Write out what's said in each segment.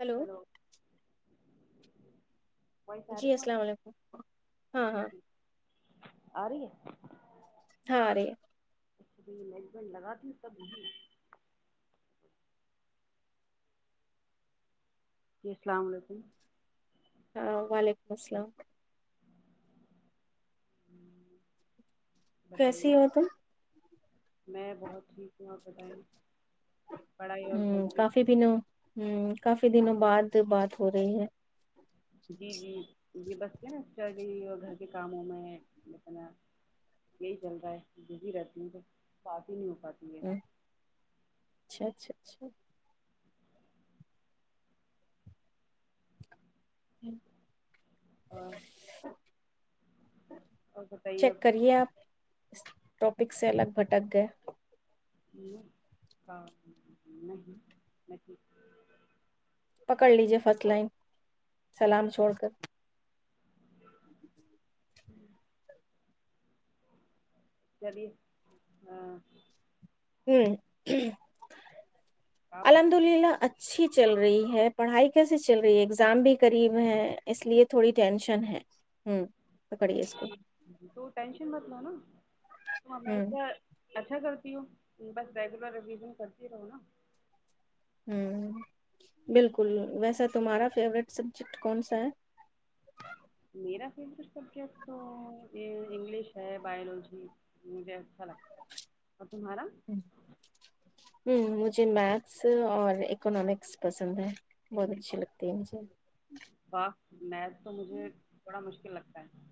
Hello چلو voice آ رہی ہے میڈم [unintelligible] آ رہی ہے ساں رہ اچھا تو یہ میجمینٹ لگاتی ہوں تب نہیں جی السلام علیکم ہاں وعلیکم السلام کیسی بتائیے ہو تم میں بہت ٹھیک ہوں آپ بتائیں پڑھائی ہ اور گھر کی کافی دنوں ہ کافی دنوں بعد بعد کو رہے ہیں جی جی یہ بستے نا اس گھر کے کاموں میں اتنا یہی چل رہا ہے بزی رہتی ہوں تو بات ہی نہیں ہوتی ہ چھا اچھا اچھا ہی [inaudible] ہاں [inaudible] اکتہ چیک کریے آپ اس ٹاپک سے الگ بھٹک گئے نہیں [inaudible] پکڑ لیجیے فرسٹ لائن سلام چھوڑ کر ہوں [inaudible] چلیے ہاں ہوں آپ بتاؤ الحمد للہ ا اچھی چل رہی ہے پڑھائی کیسے چل رہی ہے ایگزام بھی قریب ہے اس لیے تھوڑی ٹینشن ہے ہ پکڑیے اس کو تو شن بت ل نا ہ ہش اچھا کرتی ہوں بس ریگولر رویزن کرتی رہو نا ہ بالکل ویسا تمہارا فیوریٹ سبجیکٹ کون سا ہے میرا فیوریٹ سبجیکٹ تو یہ انگلش ہے بایولوجی مجھے اچھا لگتا ات میڈم ہ مجھے میتھس اور اکنامکس پسند ہے بہت اچھی لگتی ہے مجھے واہ میتھ تو مجھے بڑا مشکل لگتا ہے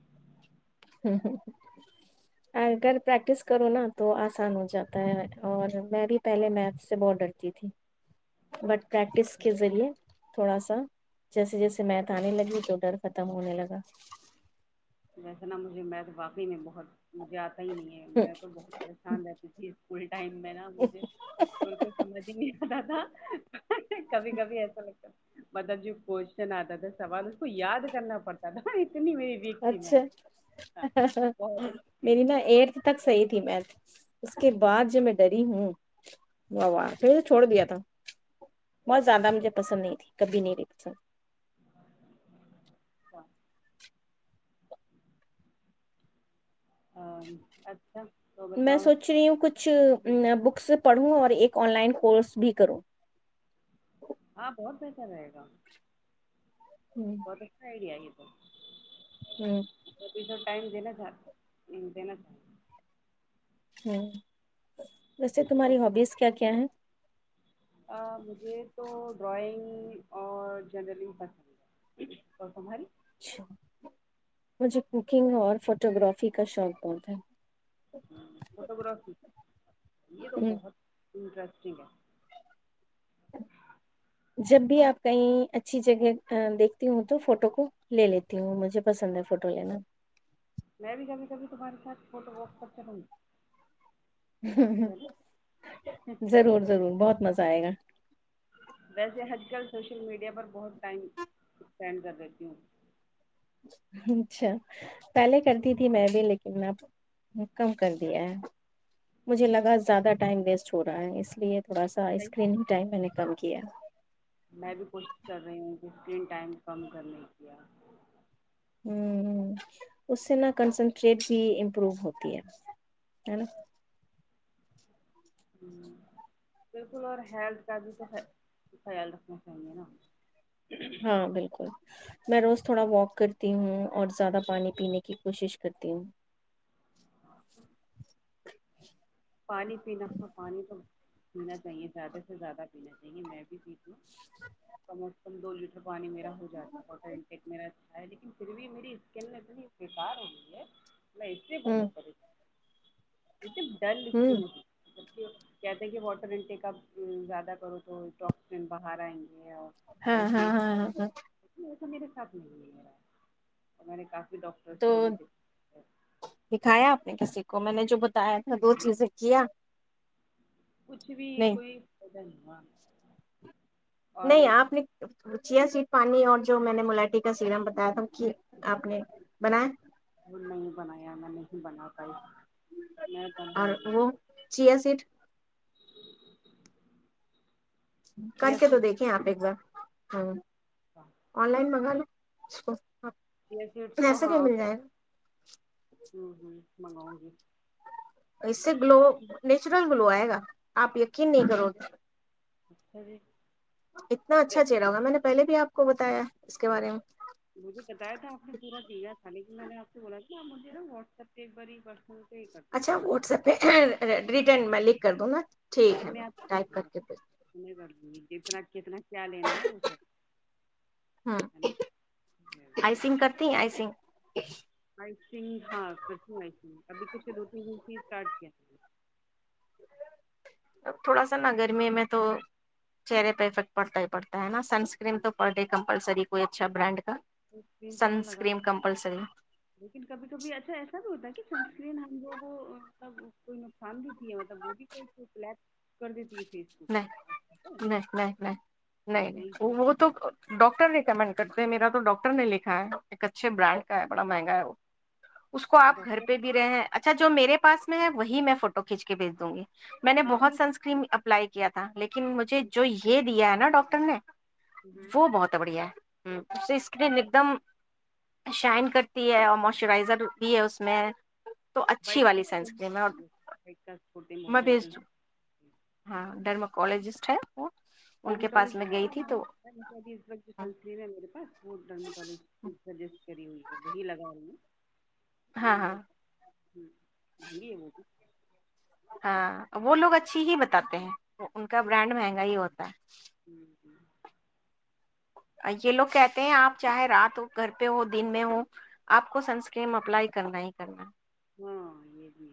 ہ ہ اگر پریکٹس کرو نا تو آسان ہو جاتا ہے اور میں بھی پہلے میتھ سے بہت ڈرتی تھی بٹ پریکٹس کے ذریعے تھوڑا سا جیسے جیسے میھ آنے لگی تو ڈر ختم ہونے لگا ویسا نا مجھے م تو واقعی میں بہت مجھے آتا ہی نہیں ہے میں تو بہت پریشان رہتی تھی کوئی ٹائم میں نا مجھے بالکل سمجھ ہی نہیں آتا تھا ہ کبھی کبھی ایسا لگتا مطلب جو کوشچن آتا تھا سوال اس کو یاد کرنا پڑتا تھا اتنی می اچھا بہت تھی۔ میری نہا ایٹتھ تک صحی ت ت میں اس کے بعد جب میں ڈری ہوں و پھر تو چھوڑ دیا تھا بہت زیادہ مجھے پسند نہیں تھی کبھی نہیں ریککھ اچھا ہاں اچھ میں سوچ رہی ہوں کچھ بکس پڑھوں اور ایک آن لائن کورس بھی کرو ہاں بہت بہتر رہے گا ہ بہتت آئیڈیا آ ہوں ابھی ٹائم دنے چاہ ہ دنا چ ہ ویسے تمہاری ہوبیز کیا کیا ہیں مجھے تو ڈرائنگ اور جنرلی پسند ہے اور تمہاری اچھا مجھے کوکنگ اور فوٹو گرافی کا شوق بہت ہے ہ فوٹو گگرافی یہ تو ہے بہت انٹرسٹگ ہے جب بھی آپ کہیں اچھی جگہ دیکھتی ہوں تو فوٹو کو لے لیتی ہوں مجھے پسند ہے فوٹو لینا میں بھی کبھی کبھی تمہارے ساتھ فوٹو وک کر چلوں گی [unintelligible] ہ ہ چلو ضرور ضرور بہت مزہ آئے گا ویسے آج کل سوشل میڈیا پر بہت ٹائم اسپینڈ کر دیتی ہوں اچھا پہلے کر دی تھی میں بھی لیکن اب کم کر دیا ہے مجھے لگا زیادہ ٹائم ویسٹ ہو رہا ہے اس لیے تھوڑا سا صحیح اسکرینگ ٹائم میں نکل کیا [unintelligible] میں بھی کوشش کر رہی ہوں کہ اسکرین ٹائم کم کرنے کیا ہ اس سے نا کنسنٹریٹ بھی امپروو ہوتی ہے نا ہ بالکل اور ہیلت کا بھی تو خ خیال رکھنا چاہیںے نا ہاں بالکل میں روز تھوڑا واک کرتی ہوں اور زیادہ پانی پینے کی کوشش کرتی ہوں ہاں [unintelligible] پانی پینا تھا پانی تو پینا چاہیے زیادہ سے زیادہ پینا چاہیے میں بھی پی ہ سمج [unintelligible] کندوول [unintelligible] پانی میرا ہو جاتا ہے واٹر انٹیک میرا لیکن پھر بھی میری اسکلنی بےیکار ہو گئی ہے [unintelligible] نہیں اتلی ہوں بخت پی [inaudible] یہ تو ڈن [inaudible] ہوں [unintelligible] جب کہتے ہیں کہ واٹر انٹیک اپ زیادہ کرو تو ٹکسیین باہر آئیں گے [inaudible] ہاں ہاں ہاں ہاں ہاں تو میرے ساتھ نہیںیرا مےھ [unintelligible] تو دکھایا آپ نے کیس کو میں نے جو بتایا تھا وہ چیزیں کیا کچھ بھی نہیں کوئی [inaudible] ج [inaudible] نہیں آپ نے اچ سویٹ پانی اور جو میں نے ملاٹٹی کا سیرام بتایا تھا کہ آپ نے بنائ [unintelligible] وہ نہیں بنایا میں نہیں بنا پائی میں اور بنای [inaudible] وہ چیا سیٹ کر چیا کے تو سیڈس دیکھیں آپ ایک بار ہاں [inaudible] آن لائن مگالو ا [unintelligible] یہٹ تو ہاں ہ ہ منگاؤں گی اس سے گلو نیچرل گلو آئے گا آپ یقین نہیں کرو گے اچھا جی اتنا اچھا چہرہ ہوا میں نے پہل بھی آپ کو بتایا اس کے بارے میں مجھے بلاا مجھے ن واٹس ایپ پ بری بس اچھا واٹس ایپ پہ ریٹرن میں لکھ کر دوں نا ٹھیک ہے کر میں ٹائپ کر کے آپ گی جتنا کتنا کیا لینا ہے وہ سب ہ ہے نا آئسنگ کرتی ہیں [inaudible] آئسگ ہاں کرچن آئیسنگ ابھی کچھ دو تین دن سے اسٹارٹ کیا تھوڑا سا نا گرمی میں تو چہرے پہ افیکٹ پڑتا ہی پڑتا ہے نا سنسکرینم تو پر ڈے کمپلسری کوئی اچھا برانڈ کا سنکرین تو ہم سنس کریم لگاتے ہیں کمپلسری لیکن کبھی کبھی اچھا ایسا بھی ہوتا ہے کہ سنسکرین ہم لوگ سب کوئی نقصان بھی مطلب وہ بھی کول نہیں نہیں نہیں نہیں نہیں نہیں وہ تو ڈاکٹر نہیں ریکمنڈ کرتے میرا تو ڈاکٹر نے لکھا ہے ایک اچھے برانڈ کا ہے بڑا مہنگا ہے وہ اس کو آپ گھر ڈاکٹر پہ بھی رہے ہیں اچھا جو میرے پاس میں ہے وہی میں فوٹو کھینچ کے بھیج دوں گی میں نے ہاں بھی بہت سنس اپلائی کیا تھا لیکن لن مجھے جو یہ دیا ہے نا نا ڈاکٹر نے ہوں وہ بہت بڑھیا ہے ہ اس سے اسکرین ایک دم شائن کرتی ہے اور موئسچرائزر بھی ہے اس میں تو اچھی بائک کا والی سنس کریم ہے اور بائک کاس پتی میں موٹر بھیج سائیک دوں ہاں ڈرماکالوجسٹ ہے وہ ان کے پاس میں گئی تھی تو ڈرمٹوجین ہے میرے پاس وہ ڈرٹوجی کری ہوئی ہے وہی لگا رہی ہیں ہاں ہاں ہوں [inaudible] مہنگی ہے وہ بھی ہاں [inaudible] وہ لوگ اچھی ہی بتاتے ہیں تو ان کا چپ برانڈ مہنگا ہی ہوتا ہے [unintelligible] یہ لوگ کہتے ہیں آپ چاہے رات ہو گھر پہ ہو دن میں ہو آپ کو سنسکریم اپلائی کرنا ہی کرنا [unintelligible] ہاں یہ بھی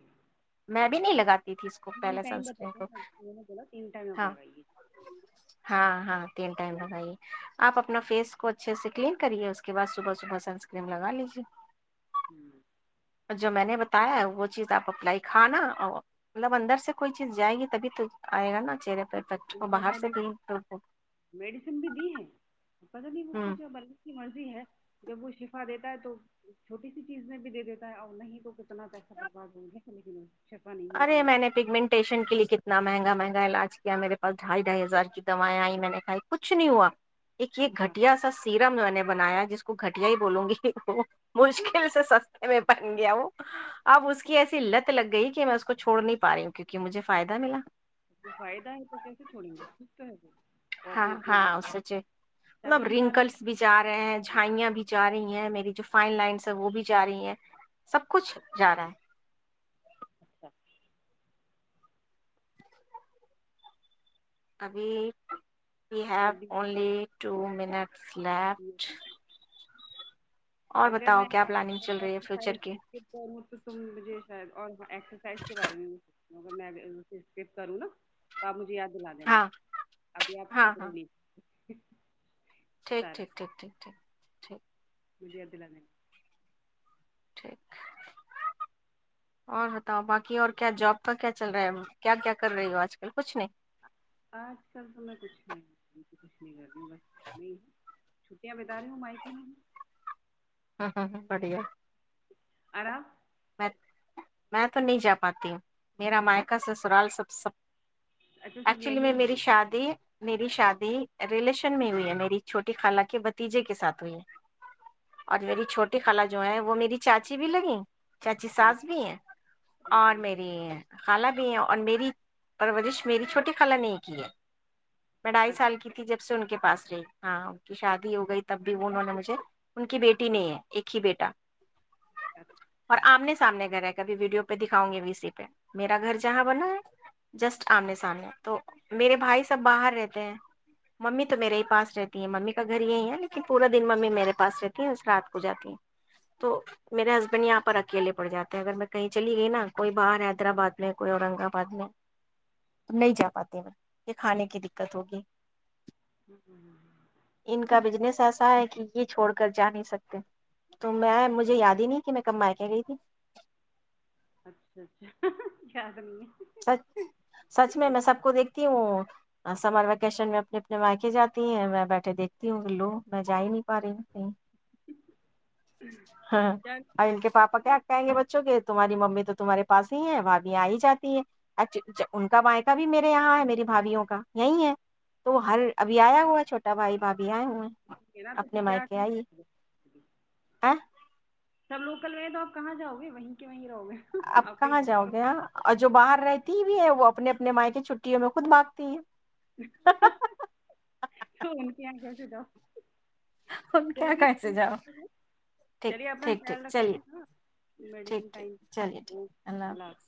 میں بھی نہیں ہے لگاتی تھی اس کو تین پہلے ٹائم سنسکرین بتاتے کو ہیں میں نے بولا تین ٹائم آپ ہاں لگائیے ہاں ہاں تین [unintelligible] ٹم بگائیے آپ اپنا فیس کو اچھے سے کلین کریے اس کے بعد صبح صبح سنسکم لگا لیجیے [unintelligible] ہوں [inaudible] جو میں نے بتایا ہے وہ چیز آپ اپلائی [unintelligible] کھانا مطلب اندر سے کوئی چیز جائے گی تبھی تو آئے گا نا [unintelligible] چرے پرفیکٹ وہ بالکل باہر میں سے نے بھی تو [unintelligible] پت نہیں وہ کو ب کی مرضی ہے جب وہ شفا دیتا [unintelligible] تو چھوٹی سی چیز میں بھی دے دیتا ہے اور نہیں تو کتنا پیسہ برباد ہو گیا لیکن [unintelligible] مل ارے رہی میں ہے نے پگمنٹیشن کے لیے کتنا مہنگا [unintelligible] مہگا مہنگا علاج کیا میرے پاس ڈھائی ڈھائی ہزار کی دوائیں آئی میں نے کہاائی کچھ نہیں ہوا [unintelligible] ایک یہ ہاں گٹیا سا سییرم جونے [unintelligible] بنایا جس کو گھٹیا ہی بولوں گی وہ [unintelligible] مشکل سے سستے میں [inaudible] بن گیا ہو اب اس کی ایسی لت لگ گئی [unintelligible] میں اس کو چوڑ نہیں پا رہی ہوں کیون کہ مجھے فائدہ ملا [unintelligible] کو فائدہ ہے تو کیسے چھوڑیں گے ٹھیک تو ہے [unintelligible] اور ہاں پھر اس میں ہاں زیادہ اسچ اچھا مطلب بھی نہیں آ رہا رنکلس ہے بھی جا رہے ہیں جھائیاں بھی [unintelligible] جا رہی ہیں میری جو فائن لائنس ہے وہ بھی جا رہی ہیں [unintelligible] سب کچھ جا رہا ہے اچھا ابھی وی اب ہییو بھی اونلی ٹو منٹس کرتی لیپٹ ہے۔ اگر میں فیوچر کی کروں تو تم مجھے شاید اورسرسائز کے بارے میں اگر میںک کروں نا تو آپ مجھے یاد بلا دینا ہاں ابھی آپ ہاں ہاں پکڑو لی جٹ [inaudible] ٹھیک ٹھیک ٹھیک ٹھیک ٹھیک ٹھیک [inaudible] مجیاد میں ٹھیک اور بتاؤ باقی اور کیا جاب کا کیا چل رہا ہے کیا کیا کر رہی ہو آج کل کچھ نہیں آج کل تو میں کچھ نہیں کچھ نہیں کر رہی ہوں بس نہیں چھٹیاں بتا رہی ہوں مائکی میں ہاں ہاں بڑیا آرا [inaudible] میں میں تو نہیں جا پاتی ہوں میرا مائقا سے سرال سب سب اچھا سب ایکچولی میں یہی میری ہے شادی میری شادی ریلیشن میں ہوئی ہے میری چھوٹی خالہ کے بھتیجے کے ساتھ ہوئی ہے اور میری چھوٹی خلا جو ہے وہ میری چاچی بھی لگی چاچی اچھا ساس بھی ہیں اور میری خال بھی ہیں اور میری پرورزش میری چھوٹی خال نہیں کی ہے میں ڈھائی اچھا سال کی جب سن کے پاس رہی ہاں کی شادی ہو گئی تب بھی وہ انہوں نے مجھے ان کی بیٹی نہیں ہے ایک ہی بیٹا اچھا اور آمنے سامنے گھر ہے کبھی ویڈیو پہ دکھاؤں گے وی سی پہ میرا گھر جہاں بنا ہے جسٹ آمنے سامنے تو میرے بھائی سب باہر رہتے ہیں ممی تو میرے ہی پاس رہتی ہے ممی کا گھر یہی ہے لیکن پورا دن ممی میرے پاس رہتی ہے اس رات کو جاتی ہے تو میرے ہسبینڈپ اکیلے پڑ جاتے ہیں اگر میں کہیں چلی گئی نا کوئی باہر حیدرآباد میں کوئی اورنگ آباد میں تو نہیں جا پاتے میں یہ کھانے کی دقت ہوگی ان کا بزنس ایسا کہ یہ چھوڑ کر جا نہیں سکتے تو میں مجھے یاد ہی نہیں کہ میں کمائی کے گئی تھی اچھا اچھا خیا کر نہیں ہے سچ سچ میں میں سب کو دیکھتی ہوں سمر ویکیشن میں اپنے اپنے مائقے جاتی ہیں میں بیٹھے دیکھتی ہوں لو میں جا ہی نہیں پا رہی ہوں کہیں ہاں چل اورن کے پاپ کیا کہیں گے بچوں کے تمہاری ممی تو تمہارے پس ہی ہے بھابیاںاں ہی جاتی ہے ان کا بائقہ بھی میرے یہاں ہے میری بھابھیوں کا یہی ہے تو ہر اچھا ابھی آیا ہوا چھوٹا بھائی بھ بھیھی آئے ہئے ہیں کہا تو پھر اپنے کیا مائکے آئیے کرنا سب لو لوکل میں تو آپ کہاں جاؤ گے وہیں کے وہیں رہو گے آپ کہیں کہاں جاؤ باہر گیا اور جو باہر رہتی ہے وہ اپنے اپنے مائ کے چھٹیوں میں خود مانگتی ہے ہو ج کیاا ہم کیا چلیے کیسے جاؤ ٹھیک چلیے اپنا ٹھیک خیال ٹھیک چلیے رکھناا ٹھیک میڈیسائ ٹھیک چلیے ٹھیک اوکے اللہ حافظ